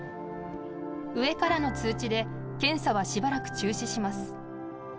上からの通知で、検査はしばらく中止します。